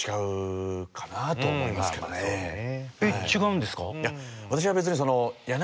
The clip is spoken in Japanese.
えっ違うんですか？